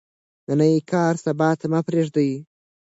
نننی کار سبا ته مه پریږدئ.